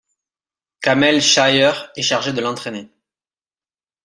Kamel Sghaier est chargé de l'entraîner.